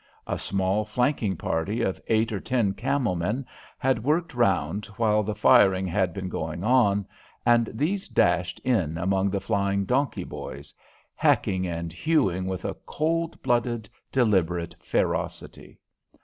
A small flanking party of eight or ten camel men had worked round while the firing had been going on, and these dashed in among the flying donkey boys, hacking and hewing with a cold blooded, deliberate ferocity.